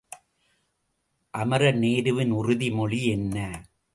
அமரர் நேருவின் உறுதி மொழி என்ன?